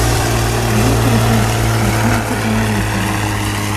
ورور ته د ښو راتلونکو دعاوې کوې.